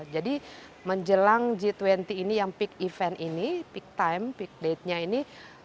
jadi menjelang g dua puluh ini yang peak event ini peak time peak datenya ini